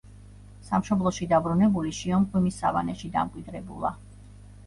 სამშობლოში დაბრუნებული შიომღვიმის სავანეში დამკვიდრებულა.